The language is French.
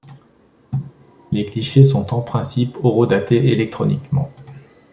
Les clichés sont en principe horodatés électroniquement.